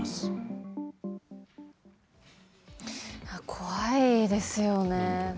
怖いですよね。